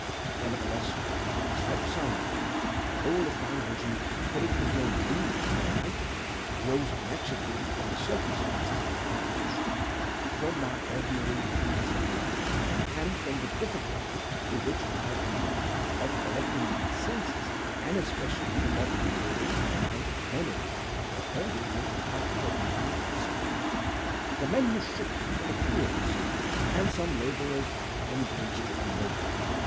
Nevertheless, I slept soundly, and the whole of my vision for it was no dream, and no nightmare arose naturally from the circumstances of my position from my ordinary bias of thought and from the difficulty, to which I have alluded, of collecting my senses, and especially of regaining my memory, for a long time after awaking from slumber. The men who shook me were the crew of the sloop, and some laborers engaged to unload it.